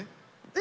え？